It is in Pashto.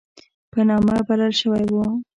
په نامه بلل شوی وو.